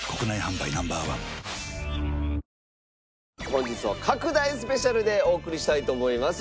本日は拡大スペシャルでお送りしたいと思います。